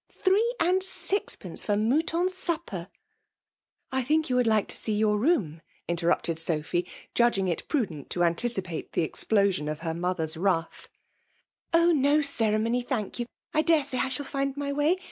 Three and sixpence for Mouton's supper !" *'I think you said you would like to see your room ?" interrupted Sophy, judging it prudent to anticipate the explosion of faet mother*s wrath. " Oh ! no ceremony, thank you, I dare say I shall find my way.